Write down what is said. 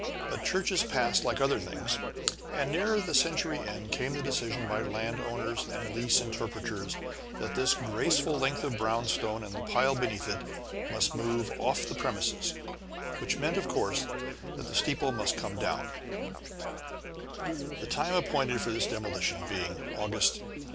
But churches pass like other things, and near the century end came the decision by landowners and lease interpreters that this graceful length of brownstone and the pile beneath it must move off the premises, which meant, of course, that the steeple must come down, the time appointed for this demolition being August, 1899.